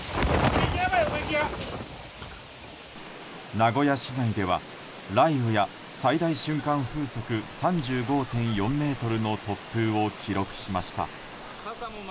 名古屋市内では、雷雨や最大瞬間風速３５．４メートルの突風を記録しました。